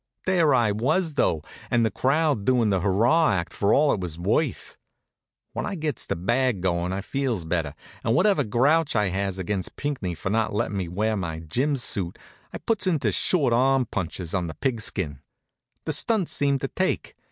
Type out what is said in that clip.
There I was, though, and the crowd doin' the hurrah act for all it was worth. When I gets the bag goin' I feels better, and whatever grouch I has against Pinckney for not lettin' me wear my gym. suit I puts into short arm punches on the pigskin. The stunt seemed to take.